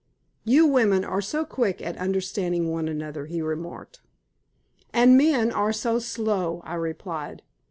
"You women are so quick at understanding one another," he remarked. "And men are so slow," I replied.